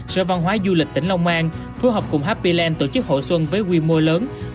sở văn hóa du lịch tỉnh lòng an phối hợp cùng happy land tổ chức hội xuân với quy mô lớn